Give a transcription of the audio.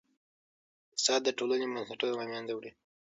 فساد د ټولني بنسټونه له منځه وړي.